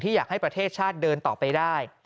อยากให้ประเทศชาติเดินต่อไปได้